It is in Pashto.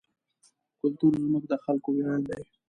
کلتور زموږ د خلکو ویاړ دی.